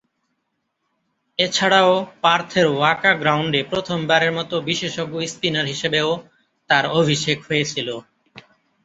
এছাড়াও পার্থের ওয়াকা গ্রাউন্ডে প্রথমবারের মতো বিশেষজ্ঞ স্পিনার হিসেবেও তার অভিষেক হয়েছিল।